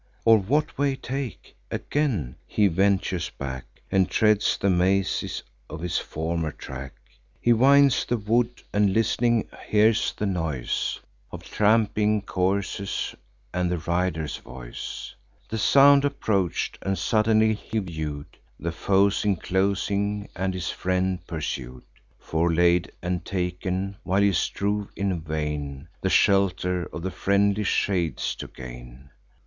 Or what way take?" Again he ventures back, And treads the mazes of his former track. He winds the wood, and, list'ning, hears the noise Of tramping coursers, and the riders' voice. The sound approach'd; and suddenly he view'd The foes inclosing, and his friend pursued, Forelaid and taken, while he strove in vain The shelter of the friendly shades to gain.